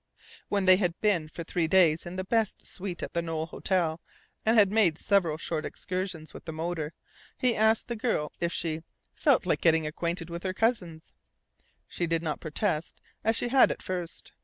When they had been for three days in the best suite at the Knowle Hotel, and had made several short excursions with the motor, he asked the girl if she "felt like getting acquainted with her cousins." She did not protest as she had at first.